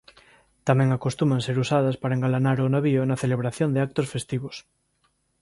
Tamén acostuman ser usadas para engalanar ao navío na celebración de actos festivos.